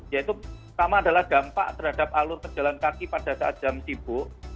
yaitu pertama adalah dampak terhadap alur pejalan kaki pada saat jam sibuk